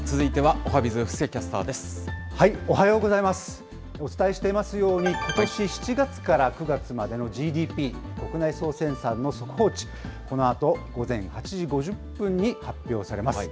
お伝えしていますように、ことし７月から９月までのＧＤＰ・国内総生産の速報値、このあと午前８時５０分に発表されます。